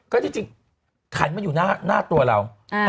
ก็จริงขันมันอยู่หน้าตัวเรา